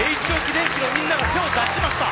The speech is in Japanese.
電機のみんなが手を出しました。